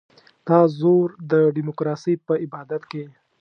دا زور د ډیموکراسۍ په عبادت کې.